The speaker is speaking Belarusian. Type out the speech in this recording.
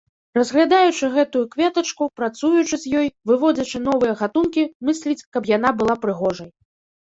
Разглядаючы гэтую кветачку, працуючы з ёй, выводзячы новыя гатункі, мысліць, каб яна была прыгожай.